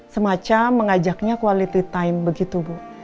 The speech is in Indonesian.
semacam mengajaknya quality time begitu bu